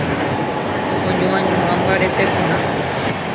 oñoañuã mbarete porã